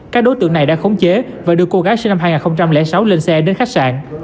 các đối tượng này đã khống chế và đưa cô gái sinh năm hai nghìn sáu lên xe đến khách sạn